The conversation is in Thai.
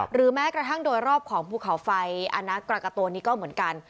หรือแม้กระทั้งโดยรอบของภูเขาไฟอนักกลากะโตนิกก็เหมือนกัน